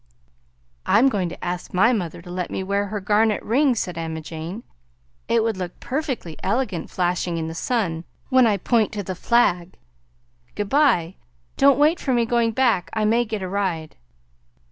"I'm going to ask my mother to let me wear her garnet ring," said Emma Jane. "It would look perfectly elergant flashing in the sun when I point to the flag. Good by; don't wait for me going back; I may get a ride."